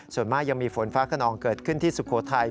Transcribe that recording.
ส่วนมากยังมีฝนฟ้าขนองเกิดขึ้นที่สุโขทัย